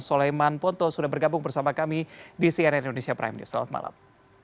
soleman ponto sudah bergabung bersama kami di cnn indonesia prime news selamat malam